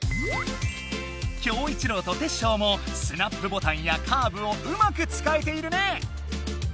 キョウイチロウとテッショウもスナップボタンやカーブをうまく使えているね！